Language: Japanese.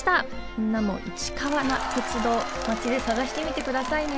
みんなもいちかわな鉄道マチでさがしてみてくださいね。